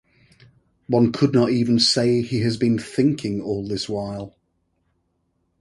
One could not even say he has been thinking all this while.